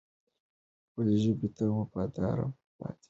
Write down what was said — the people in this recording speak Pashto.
خپلې ژبې ته وفادار پاتې شو.